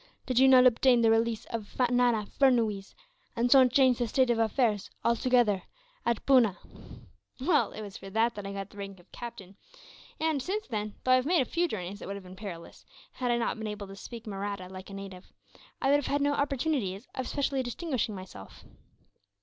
"Did you not obtain the release of Nana Furnuwees, and so change the state of affairs, altogether, at Poona?" "Well, it was for that I got the rank of captain and, since then, though I have made a few journeys that would have been perilous, had I not been able to speak Mahratti like a native, I have had no opportunities of specially distinguishing myself.